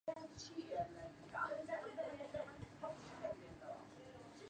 هەر خەبەر و باسێک لە شاردا بوایە پێی دەگوتین